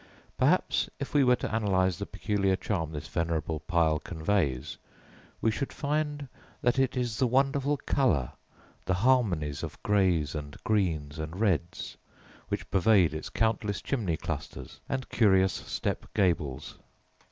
Perhaps if we were to analyse the peculiar charm this venerable pile conveys, we should find that it is the wonderful colour, the harmonies of greys and greens and reds which pervade its countless chimney clusters and curious step gables.